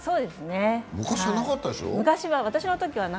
昔はなかったですね。